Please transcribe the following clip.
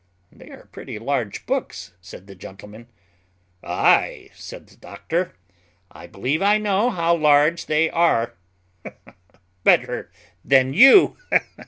"They are pretty large books," said the gentleman. "Aye," said the doctor, "I believe I know how large they are better than you."